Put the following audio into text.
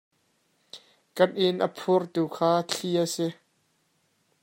Kan inn a phurtu kha thli a si.